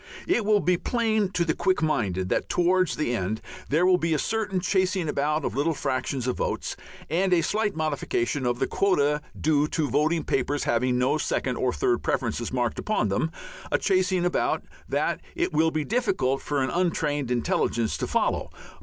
It will be plain to the quick minded that, towards the end, there will be a certain chasing about of little fractions of votes, and a slight modification of the quota due to voting papers having no second or third preferences marked upon them, a chasing about that it will be difficult for an untrained intelligence to follow.